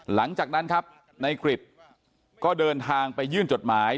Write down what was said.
หลังจากนั้นครับนายกริจก็เดินทางไปยื่นจดหมาย